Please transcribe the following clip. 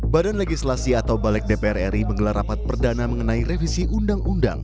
badan legislasi atau balik dpr ri menggelar rapat perdana mengenai revisi undang undang